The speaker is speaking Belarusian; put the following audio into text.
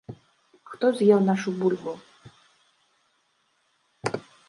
Хто з'еў нашу бульбу?